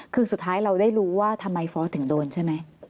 คือสุดท้ายเราได้รู้ว่าทำไมฟอร์สถึงโดนใช่ไหม